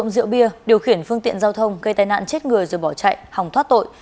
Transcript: giao thông gây tai nạn chết người rồi bỏ chạy hỏng thoát tội